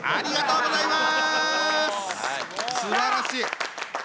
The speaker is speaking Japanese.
ありがとうございます！